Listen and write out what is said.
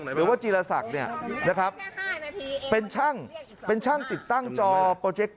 หรือว่าจีลศักดิ์เนี่ยนะครับเป็นช่างเป็นช่างติดตั้งจอ